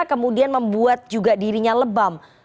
kemudian membuat juga dirinya lebam